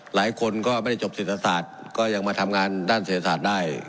หลายคนก็ไม่ได้จบเศรษฐศาสตร์ก็ยังมาทำงานด้านเศรษฐศาสตร์ได้